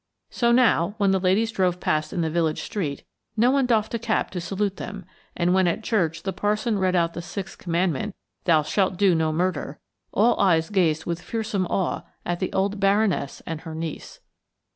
So now, when the ladies drove past in the village street, no one doffed a cap to salute them, and when at church the parson read out the sixth commandment, "Thou shalt do no murder," all eyes gazed with fearsome awe at the old Baroness and her niece.